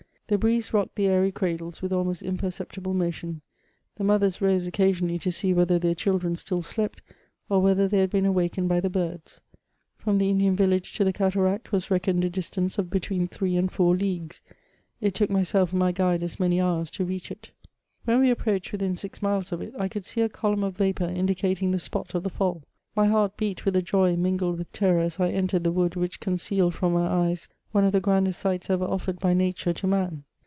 The breeze rocked the airy cradles with almost imperceptible motion ; the mothers rose occasionally to see whether their cnildren still slept, or whether they had been awak ened by the birds. From the IncUan yillage to the cataract was reckoned a distance of between three and four leagues ; it took myself and my guide as many hours to reach it. When we ap proached within six miles of il^ Ir could see a column of Tapour in dicating the spot of the &11. My heart beat with a joy mingled with terror as I entered the wood which concealed from my eyes one of the grandest sights ever offered by nature to man.